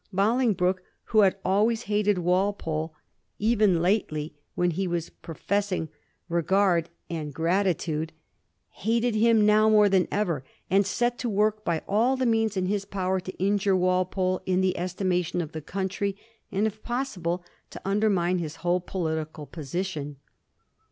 Boling broke, who had always hated Walpole, even lately Digiti zed by Google 1726 6 THE CBAFTSMAN. 341 when he was professing regard and gratitude, hated him now more than ever, and set to work hy all the means in his power to injure Walpole in the estima tion of the country, and, if possible, to undermine his whole political position.